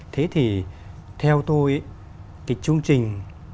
thế thì theo tôi jugid chỉnh